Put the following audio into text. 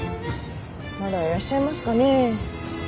まだいらっしゃいますかね。